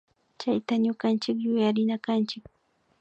Chayta ñukanchik yuyarinakanchik